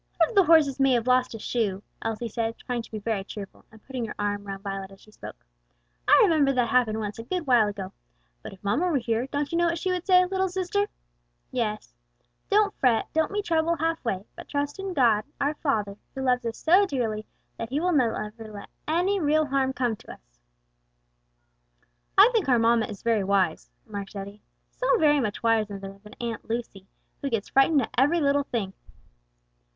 "One of the horses may have lost a shoe," Elsie said, trying to be very cheerful, and putting her arm round Violet as she spoke. "I remember that happened once a good while ago. But if mamma were here, don't you know what she would say, little sister?" "Yes; 'don't fret; don't meet trouble half way, but trust in God, our Father, who loves us so dearly, that he will never let any real harm come to us.'" "I think our mamma is very wise," remarked Eddie; "so very much wiser than Aunt Lucy, who gets frightened at every little thing."